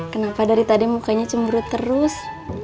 kenapa dari tadi mukanya cemburu terus